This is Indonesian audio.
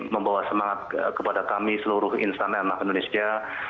membawa semangat kepada kami seluruh insan airnav indonesia